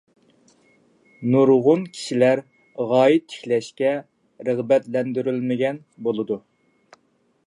نۇرغۇن كىشىلەر غايە تىكلەشكە رىغبەتلەندۈرۈلمىگەن بولىدۇ.